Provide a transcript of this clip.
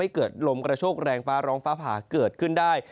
กะโชกแรงฟ้าหรองฟ้าผ่าเกิดขึ้นได้